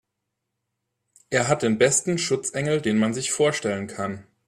Er hat den besten Schutzengel, den man sich vorstellen kann.